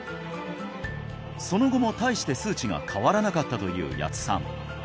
その後も大して数値が変わらなかったという谷津さん